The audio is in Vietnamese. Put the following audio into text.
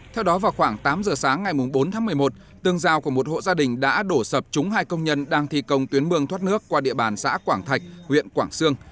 theo đó vào khoảng tám giờ sáng ngày bốn tháng một mươi một tương giao của một hộ gia đình đã đổ sập chúng hai công nhân đang thi công tuyến mương thoát nước qua địa bàn xã quảng thạch huyện quảng sương